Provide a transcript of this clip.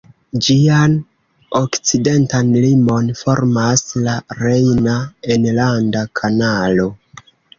Ĝian okcidentan limon formas la Rejna Enlanda Kanalo.